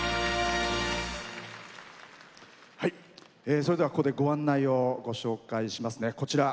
それでは、ここでご案内をご紹介します。